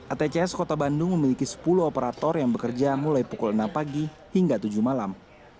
atcs kota bandung memiliki sepuluh operator yang bekerja mulai pukul enam pagi hingga tujuh malam